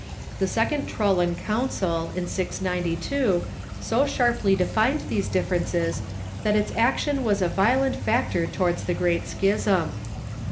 The second Trullan Council, in 692, so sharply de fined these differences that its action was a violent factor towards the great schism.